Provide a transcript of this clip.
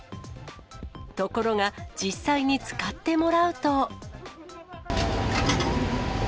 ところが、実際に使ってもらうと。